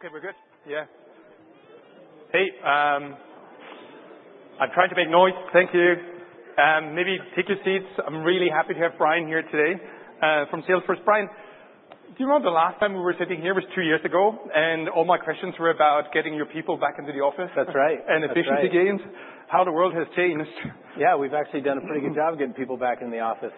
Okay, we're good. Yeah. Hey, I'm trying to make noise. Thank you. Maybe take your seats. I'm really happy to have Brian here today from Salesforce. Brian, do you remember the last time we were sitting here was two years ago, and all my questions were about getting your people back into the office? That's right. Efficiency gains, how the world has changed. Yeah, we've actually done a pretty good job of getting people back in the office.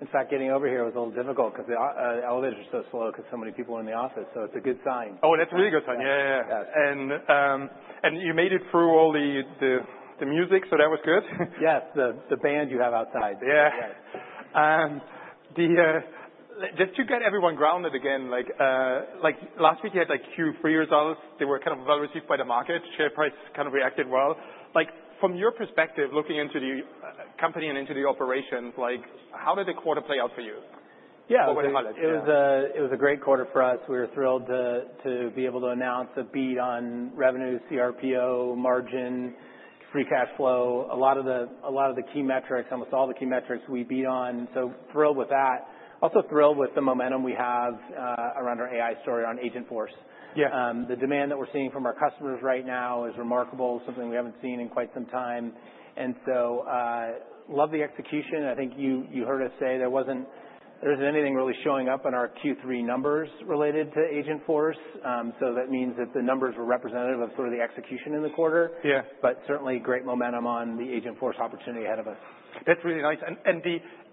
In fact, getting over here was a little difficult 'cause the elevators are so slow 'cause so many people are in the office, so it's a good sign. Oh, that's a really good sign. Yeah, yeah, yeah. Yes. You made it through all the music, so that was good. Yes, the band you have outside. Yeah. Yes. Just to get everyone grounded again, like, last week you had like Q3 results. They were kind of well received by the market. Share price kind of reacted well. Like, from your perspective, looking into the company and into the operations, like, how did the quarter play out for you? Yeah. Over the holidays. It was a great quarter for us. We were thrilled to be able to announce a beat on revenue, cRPO, margin, free cash flow. A lot of the key metrics, almost all the key metrics we beat on. So thrilled with that. Also thrilled with the momentum we have around our AI story on Agentforce. Yeah. The demand that we're seeing from our customers right now is remarkable, something we haven't seen in quite some time, and so love the execution. I think you, you heard us say there wasn't, there isn't anything really showing up in our Q3 numbers related to Agentforce. So that means that the numbers were representative of sort of the execution in the quarter. Yeah. But certainly great momentum on the Agentforce opportunity ahead of us. That's really nice. And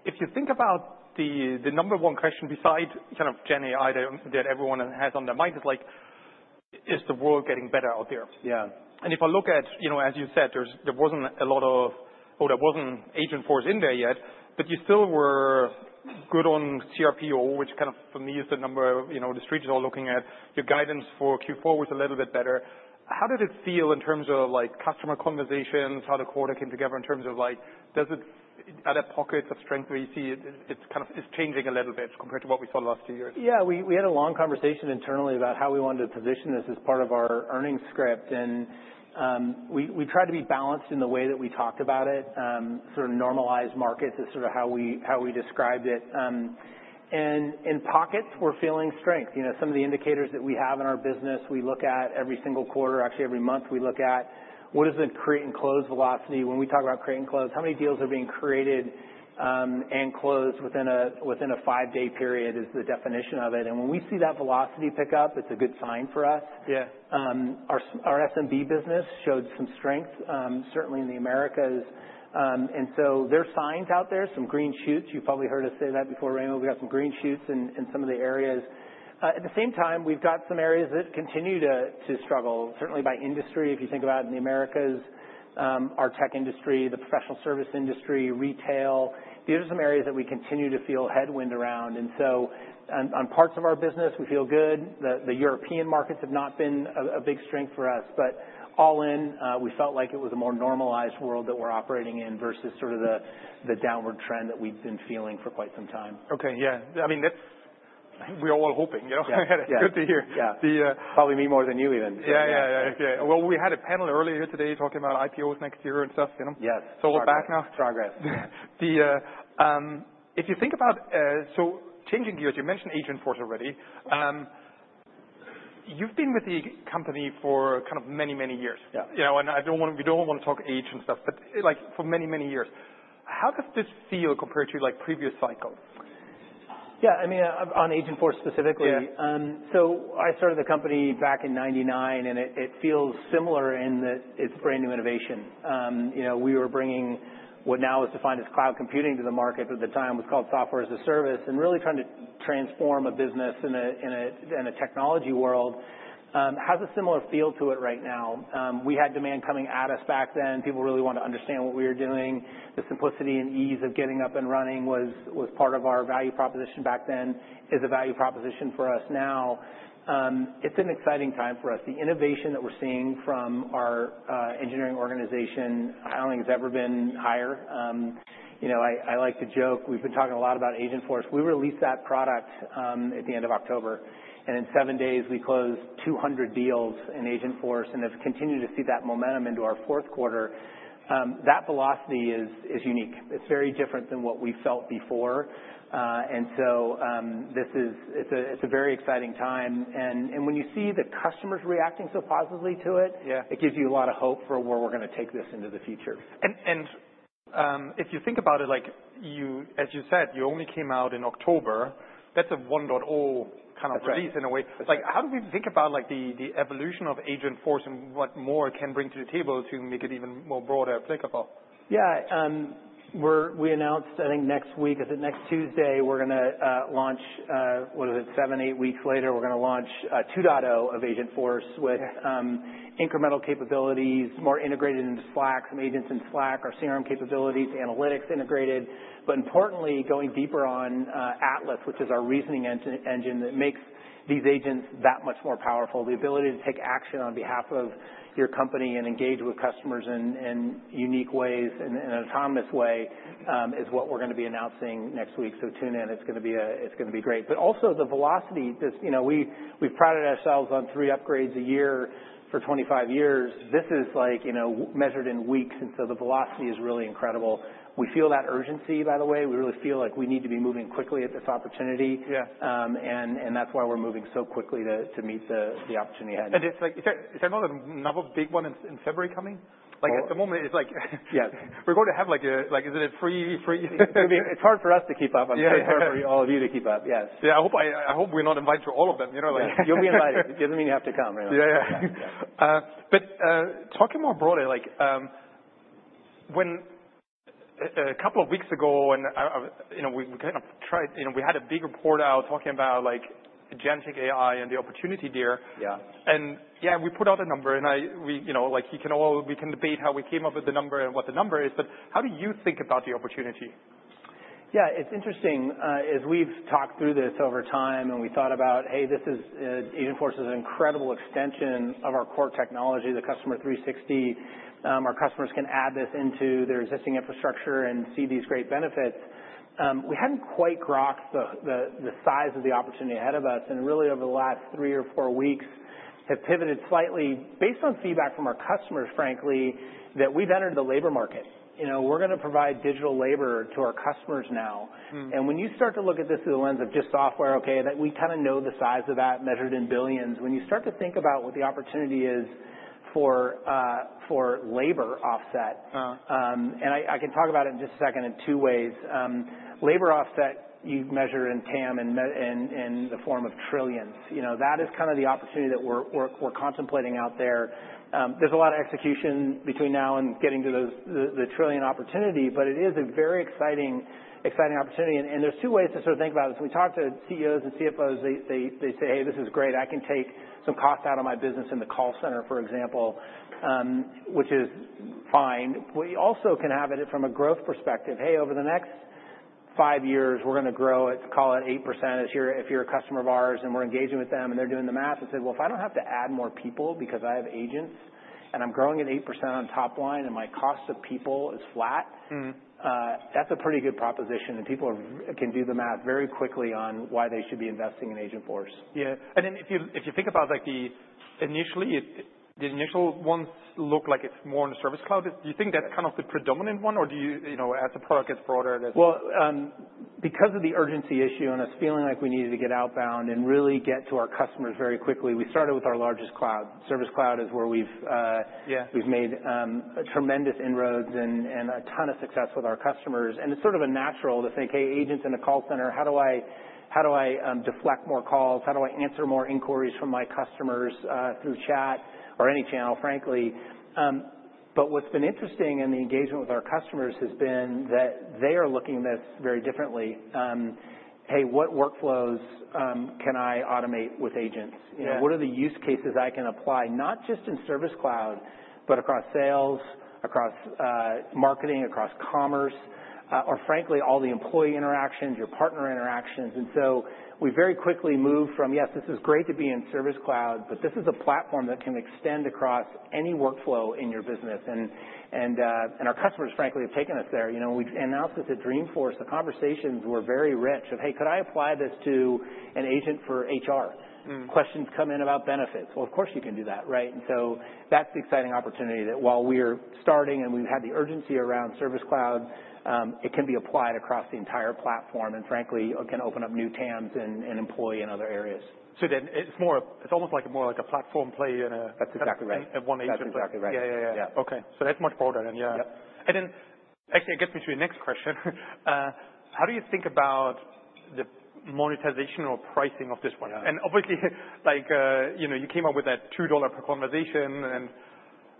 if you think about the number one question beside kind of Gen AI that everyone has on their mind is like, is the world getting better out there? Yeah. And if I look at, you know, as you said, there wasn't Agentforce in there yet, but you still were good on CRPO, which kind of for me is the number, you know, the street is all looking at. Your guidance for Q4 was a little bit better. How did it feel in terms of like customer conversations, how the quarter came together in terms of like, does it, are there pockets of strength where you see it's kind of, it's changing a little bit compared to what we saw last two years? Yeah, we had a long conversation internally about how we wanted to position this as part of our earnings script. We tried to be balanced in the way that we talked about it. Sort of normalized markets is sort of how we described it. In pockets, we're feeling strength. You know, some of the indicators that we have in our business, we look at every single quarter, actually every month, we look at what is the create and close velocity. When we talk about create and close, how many deals are being created and closed within a five-day period is the definition of it. When we see that velocity pick up, it's a good sign for us. Yeah. Our SMB business showed some strength, certainly in the Americas. So there's signs out there, some green shoots. You've probably heard us say that before, Raimo. We've got some green shoots in some of the areas. At the same time, we've got some areas that continue to struggle, certainly by industry. If you think about it in the Americas, our tech industry, the professional service industry, retail, these are some areas that we continue to feel headwind around. So on parts of our business, we feel good. The European markets have not been a big strength for us, but all in, we felt like it was a more normalized world that we're operating in versus sort of the downward trend that we've been feeling for quite some time. Okay. Yeah. I mean, that's, we're all hoping, you know? Yeah. It's good to hear. Yeah. The, Probably me more than you even. Yeah, yeah, yeah, yeah. Well, we had a panel earlier today talking about IPOs next year and stuff, you know. Yes. So we're back now. Progress. If you think about, so changing gears, you mentioned Agentforce already. You've been with the company for kind of many, many years. Yeah. You know, and I don't want, we don't want to talk age and stuff, but like for many, many years, how does this feel compared to like previous cycles? Yeah. I mean, on Agentforce specifically. Yeah. So I started the company back in 1999, and it feels similar in that it's brand new innovation. You know, we were bringing what now is defined as cloud computing to the market at the time. It was called software as a service and really trying to transform a business in a technology world. It has a similar feel to it right now. We had demand coming at us back then. People really wanted to understand what we were doing. The simplicity and ease of getting up and running was part of our value proposition back then, is a value proposition for us now. It's an exciting time for us. The innovation that we're seeing from our engineering organization I don't think has ever been higher. You know, I like to joke, we've been talking a lot about Agentforce. We released that product, at the end of October, and in seven days we closed 200 deals in Agentforce and have continued to see that momentum into our fourth quarter. That velocity is unique. It's very different than what we felt before. So, this is a very exciting time. And when you see the customers reacting so positively to it. Yeah. It gives you a lot of hope for where we're going to take this into the future. And if you think about it, like you, as you said, you only came out in October. That's a 1.0 kind of release in a way. That's right. Like, how do we think about like the evolution of Agentforce and what more it can bring to the table to make it even more broad and applicable? Yeah. We announced, I think next week, is it next Tuesday, we're going to launch, what is it, seven, eight weeks later, we're going to launch 2.0 of Agentforce with incremental capabilities, more integrated into Slack, some agents in Slack, our CRM capabilities, analytics integrated. But importantly, going deeper on Atlas, which is our reasoning engine that makes these agents that much more powerful. The ability to take action on behalf of your company and engage with customers in unique ways and in an autonomous way is what we're going to be announcing next week. So tune in. It's going to be great. But also the velocity, you know, we've prided ourselves on three upgrades a year for 25 years. This is like, you know, measured in weeks. The velocity is really incredible. We feel that urgency, by the way. We really feel like we need to be moving quickly at this opportunity. Yeah. And that's why we're moving so quickly to meet the opportunity ahead. It's like, is there another big one in February coming? Yeah. Like at the moment, it's like. Yes. We're going to have like a, is it a free? It's hard for us to keep up. Yeah. I'm sure it's hard for all of you to keep up. Yes. Yeah. I hope, I hope we're not invited to all of them, you know? Like. Yes. You'll be invited. It doesn't mean you have to come, you know? Yeah, yeah, but talking more broadly, like when a couple of weeks ago and I you know we kind of tried you know we had a big report out talking about like GenTech AI and the opportunity there. Yeah. Yeah, we put out a number and we, you know, like, we can debate how we came up with the number and what the number is, but how do you think about the opportunity? Yeah. It's interesting. As we've talked through this over time and we thought about, hey, this is, Agentforce is an incredible extension of our core technology, the Customer 360. Our customers can add this into their existing infrastructure and see these great benefits. We hadn't quite grokked the size of the opportunity ahead of us, and really over the last three or four weeks, have pivoted slightly based on feedback from our customers, frankly, that we've entered the labor market. You know, we're going to provide digital labor to our customers now. Mm-hmm. When you start to look at this through the lens of just software, okay, that we kind of know the size of that measured in billions. When you start to think about what the opportunity is for labor offset. Uh-huh. And I can talk about it in just a second in two ways. Labor offset, you measure in TAM and in the form of trillions. You know, that is kind of the opportunity that we're contemplating out there. There's a lot of execution between now and getting to those, the trillion opportunity, but it is a very exciting opportunity. And there's two ways to sort of think about it. So we talked to CEOs and CFOs. They say, hey, this is great. I can take some cost out of my business in the call center, for example, which is fine. We also can have it from a growth perspective. Hey, over the next five years, we're going to grow at, call it 8% if you're, if you're a customer of ours and we're engaging with them and they're doing the math and said, well, if I don't have to add more people because I have agents and I'm growing at 8% on top line and my cost of people is flat. Mm-hmm. That's a pretty good proposition, and people can do the math very quickly on why they should be investing in Agentforce. Yeah. And then if you think about like the initial ones look like it's more in the Service Cloud. Do you think that's kind of the predominant one or do you, you know, as the product gets broader? Because of the urgency issue and us feeling like we needed to get outbound and really get to our customers very quickly, we started with our largest cloud. Service Cloud is where we've, Yeah. We've made tremendous inroads and a ton of success with our customers. It's sort of natural to think, hey, agents in a call center, how do I deflect more calls? How do I answer more inquiries from my customers through chat or any channel, frankly? But what's been interesting in the engagement with our customers has been that they are looking at this very differently. Hey, what workflows can I automate with agents? Yeah. You know, what are the use cases I can apply, not just in Service Cloud, but across Sales, across Marketing, across Commerce, or frankly, all the employee interactions, your partner interactions. And so we very quickly moved from, yes, this is great to be in Service Cloud, but this is a platform that can extend across any workflow in your business. And, and, and our customers, frankly, have taken us there. You know, we announced this at Dreamforce. The conversations were very rich of, hey, could I apply this to an agent for HR? Mm-hmm. Questions come in about benefits. Of course you can do that, right? And so that's the exciting opportunity that while we are starting and we've had the urgency around Service Cloud, it can be applied across the entire platform and frankly, it can open up new TAMs and employment in other areas. So then it's more. It's almost like a platform play in a. That's exactly right. In one agent? That's exactly right. Yeah, yeah, yeah, yeah. Okay, so that's much broader than, yeah. Yep. And then actually it gets me to your next question. How do you think about the monetization or pricing of this one? Yeah. Obviously, like, you know, you came up with that $2 per conversation and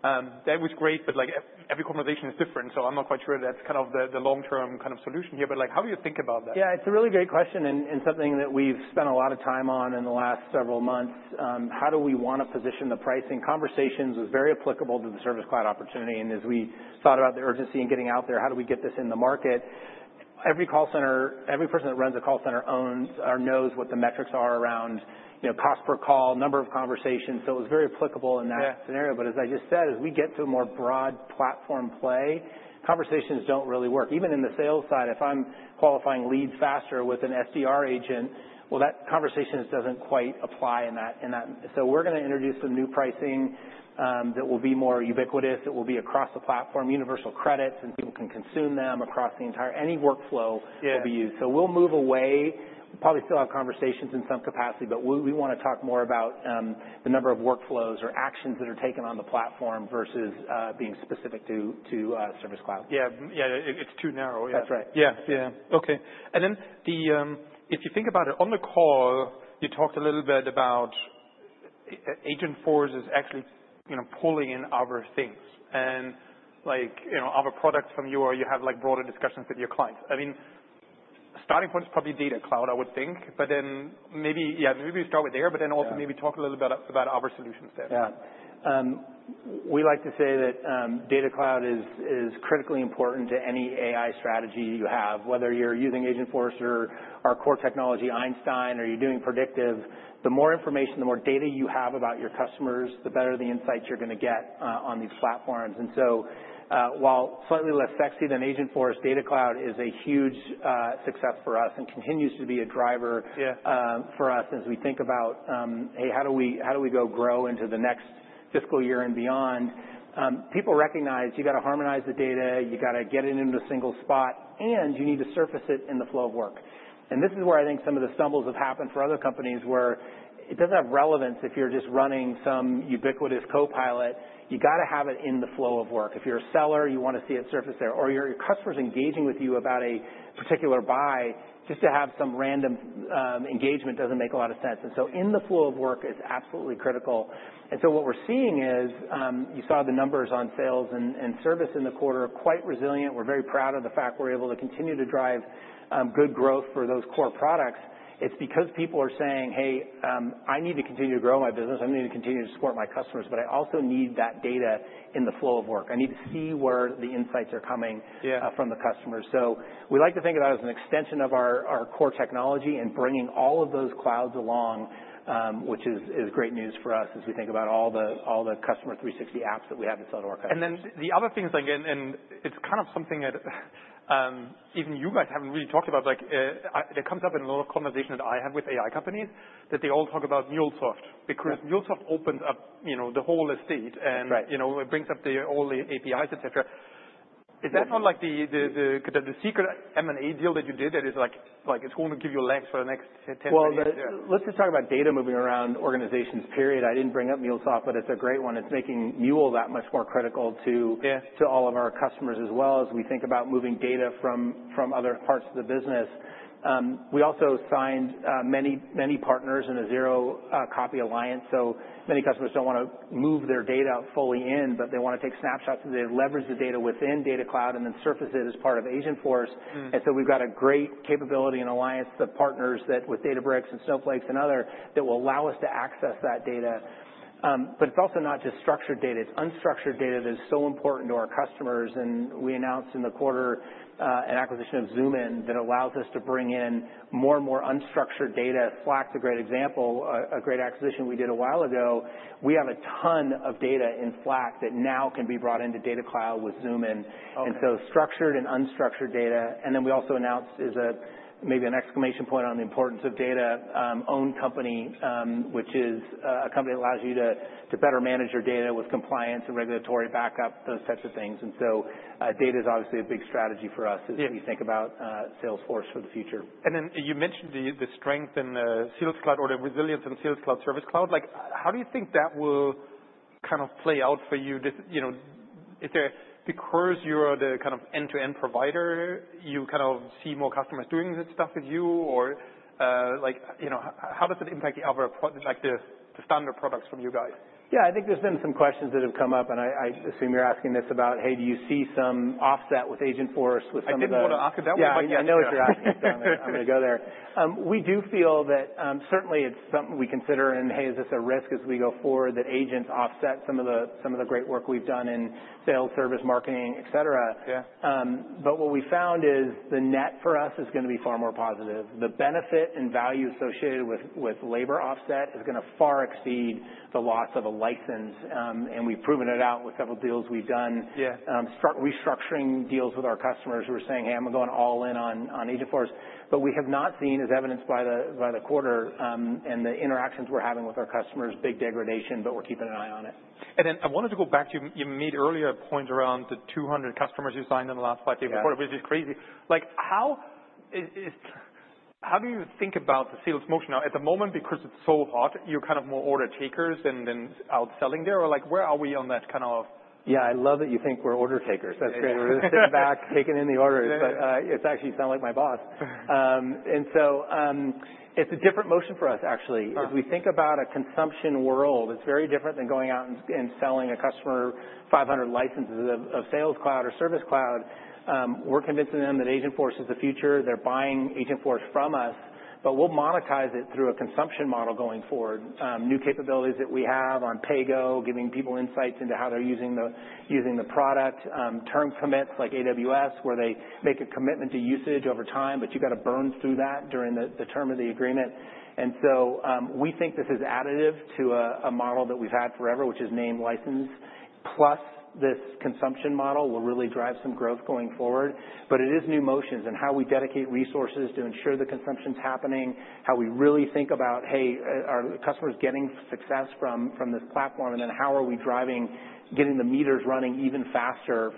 that was great, but like every conversation is different. So I'm not quite sure that's kind of the long-term kind of solution here, but like how do you think about that? Yeah. It's a really great question and something that we've spent a lot of time on in the last several months. How do we want to position the pricing conversations was very applicable to the Service Cloud opportunity, and as we thought about the urgency in getting out there, how do we get this in the market? Every call center, every person that runs a call center owns or knows what the metrics are around, you know, cost per call, number of conversations. So it was very applicable in that scenario, but as I just said, as we get to a more broad platform play, conversations don't really work. Even in the sales side, if I'm qualifying leads faster with an SDR agent, well, that conversation doesn't quite apply in that. So we're going to introduce some new pricing that will be more ubiquitous. It will be across the platform, Universal Credits, and people can consume them across the entire, any workflow. Yeah. Will be used, so we'll move away, probably still have conversations in some capacity, but we want to talk more about the number of workflows or actions that are taken on the platform versus being specific to Service Cloud. Yeah. Yeah. It's too narrow. That's right. Yeah. Yeah. Okay. And then, if you think about it, on the call, you talked a little bit about Agentforce actually, you know, pulling in other things and, like, you know, other products from you or you have like broader discussions with your clients. I mean, starting points probably Data Cloud, I would think, but then maybe, yeah, maybe we start with there, but then also maybe talk a little bit about our solutions there. Yeah. We like to say that Data Cloud is critically important to any AI strategy you have, whether you're using Agentforce or our core technology, Einstein, or you're doing predictive. The more information, the more data you have about your customers, the better the insights you're going to get on these platforms. And so, while slightly less sexy than Agentforce, Data Cloud is a huge success for us and continues to be a driver. Yeah. For us as we think about, hey, how do we grow into the next fiscal year and beyond? People recognize you got to harmonize the data, you got to get it into a single spot, and you need to surface it in the flow of work. And this is where I think some of the stumbles have happened for other companies where it doesn't have relevance if you're just running some ubiquitous copilot. You got to have it in the flow of work. If you're a seller, you want to see it surface there, or your customers engaging with you about a particular buy, just to have some random engagement doesn't make a lot of sense. And so in the flow of work is absolutely critical. And so what we're seeing is, you saw the numbers on sales and service in the quarter, quite resilient. We're very proud of the fact we're able to continue to drive good growth for those core products. It's because people are saying, hey, I need to continue to grow my business. I need to continue to support my customers, but I also need that data in the flow of work. I need to see where the insights are coming. Yeah. from the customers. So we like to think of that as an extension of our core technology and bringing all of those clouds along, which is great news for us as we think about all the Customer 360 apps that we have installed in our customers. And then the other thing is like, and it's kind of something that even you guys haven't really talked about, like, that comes up in a lot of conversations that I have with AI companies that they all talk about MuleSoft because MuleSoft opens up, you know, the whole estate and. That's right. You know, it brings up all the APIs, et cetera. Is that not like the secret M&A deal that you did that is like it's going to give you legs for the next 10, 20 years? Let's just talk about data moving around organizations, period. I didn't bring up MuleSoft, but it's a great one. It's making Mule that much more critical to. Yeah. To all of our customers as well as we think about moving data from other parts of the business. We also signed many, many partners in a Zero Copy Alliance. So many customers don't want to move their data fully in, but they want to take snapshots and they leverage the data within Data Cloud and then surface it as part of Agentforce. Mm-hmm. And so we've got a great capability and alliance of partners that with Databricks and Snowflake and other that will allow us to access that data. But it's also not just structured data. It's unstructured data that is so important to our customers. And we announced in the quarter, an acquisition of Zoomin that allows us to bring in more and more unstructured data. Slack's a great example, a great acquisition we did a while ago. We have a ton of data in Slack that now can be brought into Data Cloud with Zoomin. Okay. And so, structured and unstructured data. And then we also announced. It's a, maybe an exclamation point on the importance of data, Own Company, which is a company that allows you to better manage your data with compliance and regulatory backup, those types of things. And so, data is obviously a big strategy for us as we think about Salesforce for the future. And then you mentioned the strength in the Sales Cloud or the resilience in Sales Cloud Service Cloud. Like, how do you think that will kind of play out for you? You know, is there because you're the kind of end-to-end provider, you kind of see more customers doing that stuff with you or, like, you know, how does it impact the other product, like the standard products from you guys? Yeah. I think there's been some questions that have come up and I assume you're asking this about, hey, do you see some offset with Agentforce with some of the. I didn't want to ask it that way, but yeah. Yeah. I know what you're asking. I'm going to go there. We do feel that, certainly it's something we consider and hey, is this a risk as we go forward that agents offset some of the, some of the great work we've done in sales, service, marketing, et cetera. Yeah. But what we found is the net for us is going to be far more positive. The benefit and value associated with labor offset is going to far exceed the loss of a license. And we've proven it out with several deals we've done. Yeah. restructuring deals with our customers who are saying, "Hey, I'm going to go all in on Agentforce," but we have not seen, as evidenced by the quarter and the interactions we're having with our customers, big degradation, but we're keeping an eye on it. Then I wanted to go back to your mid-earlier point around the 200 customers you signed in the last five to six quarters, which is crazy. Like, how is how do you think about the sales motion now at the moment because it's so hot? You're kind of more order takers than outselling there or like where are we on that kind of? Yeah. I love that you think we're order takers. That's great. We're sitting back, taking in the orders, but it's actually sounds like my boss, and so it's a different motion for us actually. Okay. As we think about a consumption world, it's very different than going out and selling a customer 500 licenses of sales cloud or service cloud. We're convincing them that Agentforce is the future. They're buying Agentforce from us, but we'll monetize it through a consumption model going forward. New capabilities that we have on PayGo, giving people insights into how they're using the product, term commits like AWS where they make a commitment to usage over time, but you got to burn through that during the term of the agreement. So we think this is additive to a model that we've had forever, which is named license plus this consumption model will really drive some growth going forward. But it is new motions and how we dedicate resources to ensure the consumption's happening, how we really think about, hey, are the customers getting success from this platform and then how we are driving getting the meters running even faster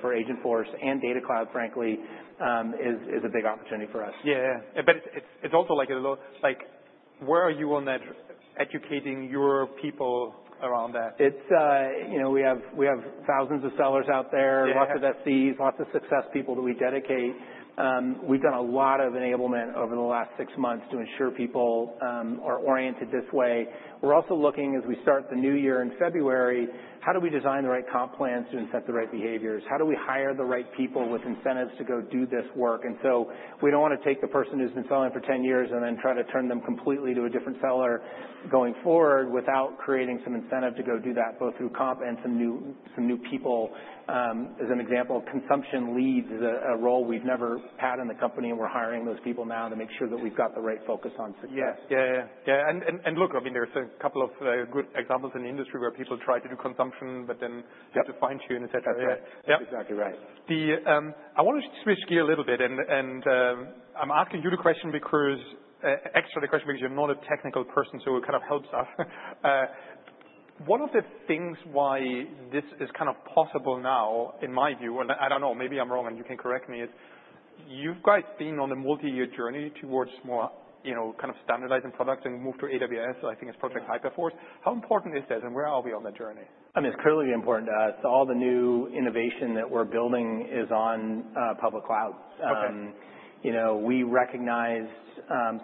for Agentforce and Data Cloud, frankly, is a big opportunity for us. Yeah. Yeah. But it's also like a little, like, where are you on that educating your people around that? It's, you know, we have, we have thousands of sellers out there. Yeah. Lots of SEs, lots of success people that we dedicate. We've done a lot of enablement over the last six months to ensure people are oriented this way. We're also looking as we start the new year in February, how do we design the right comp plans to incent the right behaviors? How do we hire the right people with incentives to go do this work? And so we don't want to take the person who's been selling for 10 years and then try to turn them completely to a different seller going forward without creating some incentive to go do that both through comp and some new, some new people. As an example, consumption leads is a role we've never had in the company and we're hiring those people now to make sure that we've got the right focus on success. Yeah. And look, I mean, there's a couple of good examples in the industry where people try to do consumption, but then. Yep. You have to fine-tune, et cetera. Exactly. Yeah. Exactly right. I want to switch gears a little bit, and I'm asking you the question because actually because you're not a technical person, so it kind of helps us. One of the things why this is kind of possible now in my view, and I don't know, maybe I'm wrong and you can correct me, is you guys have been on the multi-year journey towards more, you know, kind of standardizing products and moved to AWS. I think it's Hyperforce. How important is that and where are we on that journey? I mean, it's clearly important to us. All the new innovation that we're building is on public cloud. Okay. You know, we recognized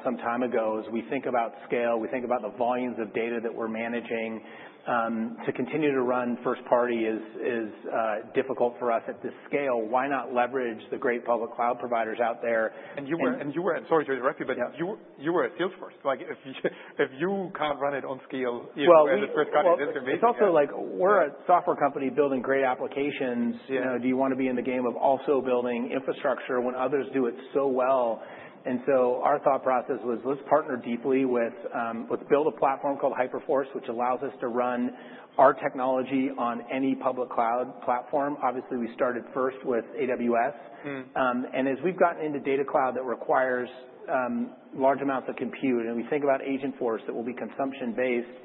some time ago, as we think about scale, we think about the volumes of data that we're managing, to continue to run first party is difficult for us at this scale. Why not leverage the great public cloud providers out there? Sorry to interrupt you, but you were at Salesforce. Like if you can't run it on scale. It's also like we're a software company building great applications. Yeah. You know, do you want to be in the game of also building infrastructure when others do it so well? And so our thought process was, let's partner deeply with, let's build a platform called Hyperforce, which allows us to run our technology on any public cloud platform. Obviously, we started first with AWS. Mm-hmm. And as we've gotten into Data Cloud that requires large amounts of compute and we think about Agentforce that will be consumption-based,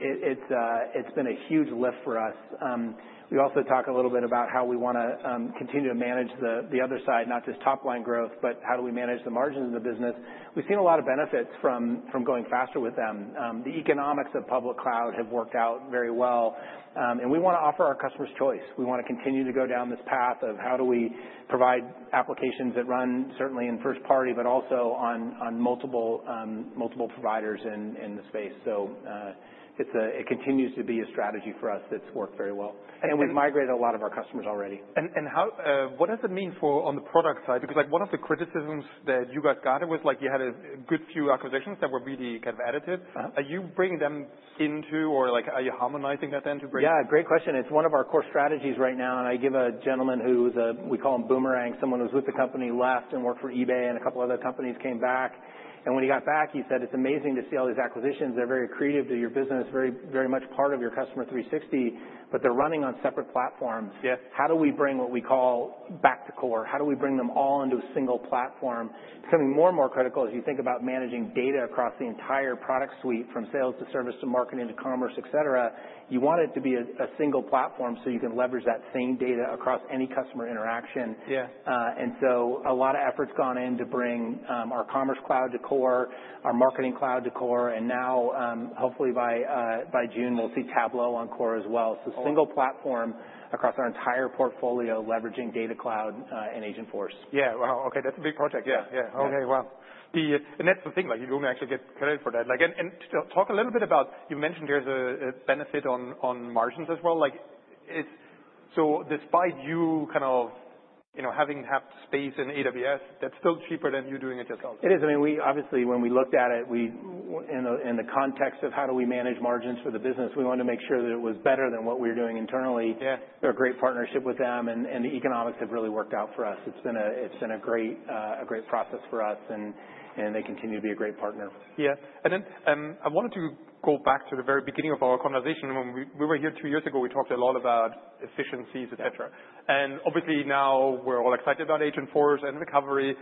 it's been a huge lift for us. We also talk a little bit about how we want to continue to manage the other side, not just top line growth, but how do we manage the margins of the business? We've seen a lot of benefits from going faster with them. The economics of public cloud have worked out very well. And we want to offer our customers choice. We want to continue to go down this path of how do we provide applications that run certainly in first party, but also on multiple providers in the space. So, it continues to be a strategy for us that's worked very well. And we've migrated a lot of our customers already. How, what does it mean for on the product side? Because like one of the criticisms that you guys got was like you had a good few acquisitions that were really kind of additive. Uh-huh. Are you bringing them into or like are you harmonizing that then to bring? Yeah. Great question. It's one of our core strategies right now. And I give a gentleman who's a, we call him boomerang, someone who's with the company left and worked for eBay and a couple other companies came back. And when he got back, he said, "It's amazing to see all these acquisitions. They're very creative to your business, very, very much part of your Customer 360, but they're running on separate platforms. Yeah. How do we bring what we call back to core? How do we bring them all into a single platform? It's becoming more and more critical as you think about managing data across the entire product suite from sales to service to marketing to commerce, et cetera. You want it to be a single platform so you can leverage that same data across any customer interaction. Yeah. And so a lot of effort's gone in to bring our Commerce Cloud to core, our Marketing Cloud to core. And now, hopefully by June, we'll see Tableau on core as well. Okay. So, single platform across our entire portfolio, leveraging Data Cloud and Agentforce. Yeah. Wow. Okay. That's a big project. Yeah. Yeah. Okay. Wow. And that's the thing, like you don't actually get credit for that. Like, and talk a little bit about, you mentioned there's a benefit on margins as well. Like it's, so despite you kind of, you know, having had space in AWS, that's still cheaper than you doing it yourself. It is. I mean, we obviously when we looked at it, we in the, in the context of how do we manage margins for the business, we wanted to make sure that it was better than what we were doing internally. Yeah. We have a great partnership with them, and the economics have really worked out for us. It's been a great process for us, and they continue to be a great partner. Yeah. And then, I wanted to go back to the very beginning of our conversation. When we were here two years ago, we talked a lot about efficiencies, et cetera. And obviously now we're all excited about Agentforce and recovery.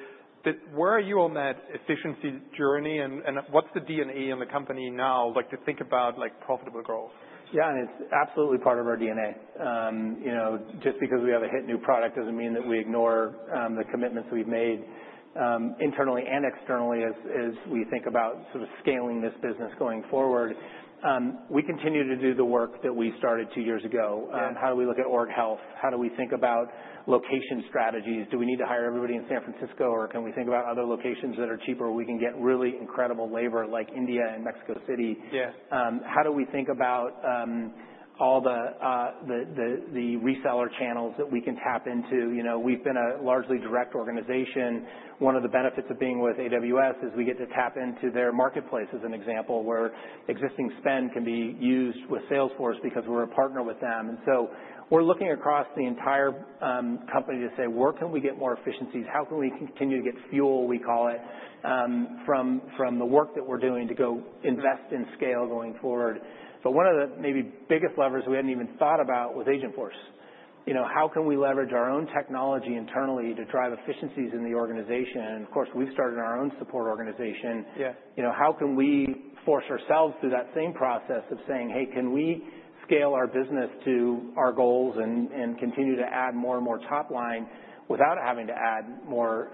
Where are you on that efficiency journey and what's the DNA on the company now? Like to think about like profitable growth. Yeah. And it's absolutely part of our DNA. You know, just because we have a hit new product doesn't mean that we ignore the commitments that we've made internally and externally as we think about sort of scaling this business going forward. We continue to do the work that we started two years ago. Yeah. How do we look at org health? How do we think about location strategies? Do we need to hire everybody in San Francisco or can we think about other locations that are cheaper where we can get really incredible labor like India and Mexico City? Yeah. How do we think about all the reseller channels that we can tap into? You know, we've been a largely direct organization. One of the benefits of being with AWS is we get to tap into their marketplace as an example where existing spend can be used with Salesforce because we're a partner with them. And so we're looking across the entire company to say, where can we get more efficiencies? How can we continue to get fuel, we call it, from the work that we're doing to go invest in scale going forward? But one of the maybe biggest levers we hadn't even thought about was Agentforce. You know, how can we leverage our own technology internally to drive efficiencies in the organization? And of course, we've started our own support organization. Yeah. You know, how can we force ourselves through that same process of saying, hey, can we scale our business to our goals and continue to add more and more top line without having to add more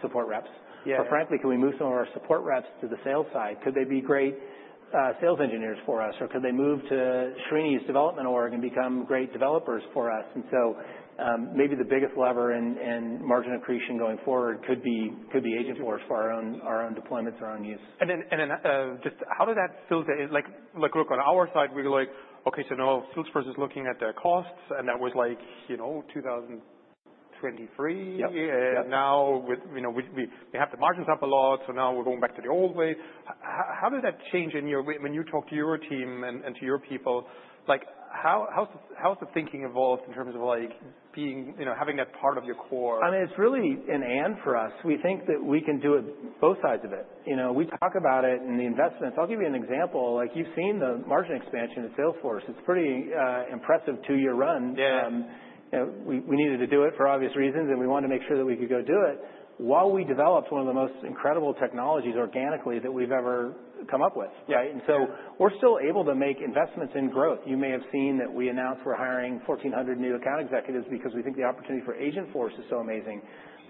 support reps? Yeah. Or frankly, can we move some of our support reps to the sales side? Could they be great sales engineers for us or could they move to Srini's development org and become great developers for us? And so, maybe the biggest lever in margin accretion going forward could be Agentforce for our own deployments, our own use. Just how did that feel like? Like, look, on our side, we were like, okay, so now Salesforce is looking at the costs and that was like, you know, 2023. Yeah. And now with, you know, we have the margins up a lot, so now we're going back to the old way. How did that change in your, when you talk to your team and to your people? Like how's the thinking evolved in terms of like being, you know, having that part of your core? I mean, it's really an and for us. We think that we can do it both sides of it. You know, we talk about it and the investments. I'll give you an example. Like you've seen the margin expansion at Salesforce. It's pretty impressive two-year run. Yeah. You know, we needed to do it for obvious reasons and we wanted to make sure that we could go do it while we developed one of the most incredible technologies organically that we've ever come up with. Yeah. Right? And so we're still able to make investments in growth. You may have seen that we announced we're hiring 1,400 new account executives because we think the opportunity for Agentforce is so amazing.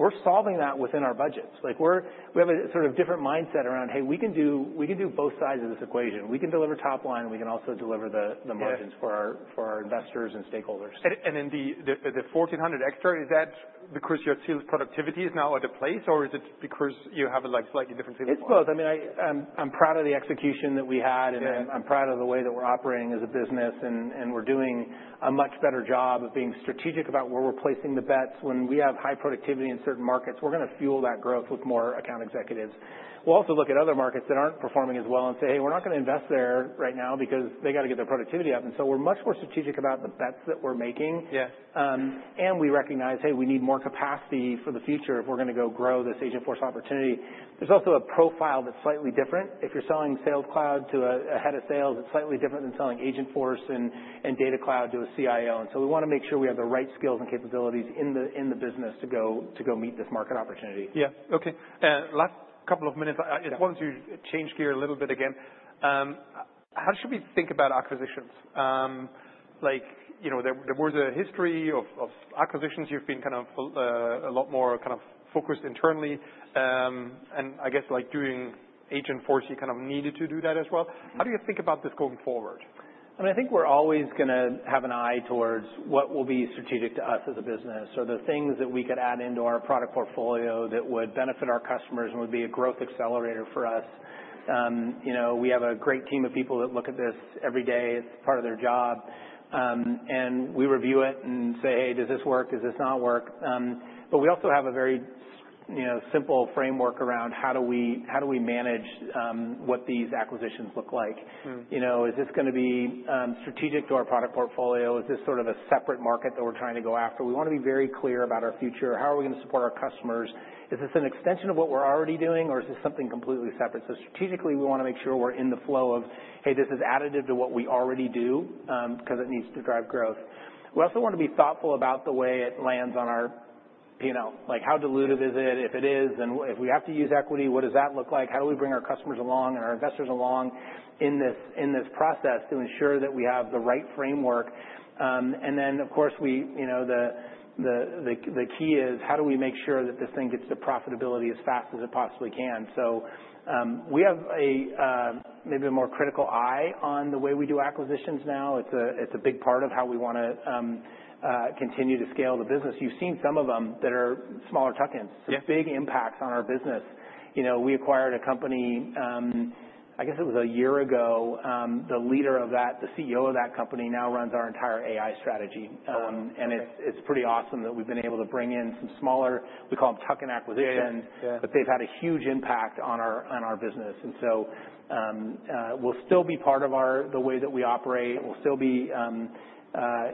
We're solving that within our budgets. Like we're, we have a sort of different mindset around, hey, we can do, we can do both sides of this equation. We can deliver top line and we can also deliver the, the margins for our, for our investors and stakeholders. In the 1,400 extra, is that because your sales productivity is now out of place or is it because you have like slightly different sales? It's both. I mean, I'm proud of the execution that we had. Yeah. I'm proud of the way that we're operating as a business, and we're doing a much better job of being strategic about where we're placing the bets. When we have high productivity in certain markets, we're going to fuel that growth with more account executives. We'll also look at other markets that aren't performing as well and say, hey, we're not going to invest there right now because they got to get their productivity up. And so we're much more strategic about the bets that we're making. Yeah. And we recognize, hey, we need more capacity for the future if we're going to grow this Agentforce opportunity. There's also a profile that's slightly different. If you're selling Sales Cloud to a head of sales, it's slightly different than selling Agentforce and Data Cloud to a CIO. And so we want to make sure we have the right skills and capabilities in the business to go meet this market opportunity. Yeah. Okay. Last couple of minutes. Yeah. I just wanted to change gear a little bit again. How should we think about acquisitions? Like, you know, there was a history of acquisitions. You've been kind of a lot more kind of focused internally, and I guess like doing Agentforce, you kind of needed to do that as well. How do you think about this going forward? I mean, I think we're always going to have an eye towards what will be strategic to us as a business or the things that we could add into our product portfolio that would benefit our customers and would be a growth accelerator for us. You know, we have a great team of people that look at this every day. It's part of their job. And we review it and say, hey, does this work? Does this not work? But we also have a very, you know, simple framework around how do we, how do we manage, what these acquisitions look like? Mm-hmm. You know, is this going to be strategic to our product portfolio? Is this sort of a separate market that we're trying to go after? We want to be very clear about our future. How are we going to support our customers? Is this an extension of what we're already doing or is this something completely separate? So strategically, we want to make sure we're in the flow of, hey, this is additive to what we already do, because it needs to drive growth. We also want to be thoughtful about the way it lands on our P&L. Like how dilutive is it? If it is, then if we have to use equity, what does that look like? How do we bring our customers along and our investors along in this, in this process to ensure that we have the right framework? and then of course, you know, the key is how do we make sure that this thing gets to profitability as fast as it possibly can? So, we have maybe a more critical eye on the way we do acquisitions now. It's a big part of how we want to continue to scale the business. You've seen some of them that are smaller tuck-ins. Yeah. Some big impacts on our business. You know, we acquired a company, I guess it was a year ago. The leader of that, the CEO of that company now runs our entire AI strategy. Wow. And it's pretty awesome that we've been able to bring in some smaller, we call them tuck-in acquisitions. Yeah. Yeah. But they've had a huge impact on our business. And so, we'll still be part of the way that we operate. We'll still be,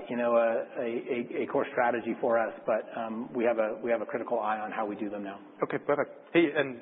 you know, a core strategy for us, but we have a critical eye on how we do them now. Okay. Perfect. Hey, and.